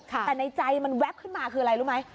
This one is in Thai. แต่ในใจมันแป๊บขึ้นมาคืออะไรรู้ไหม